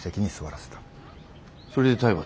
それで体罰？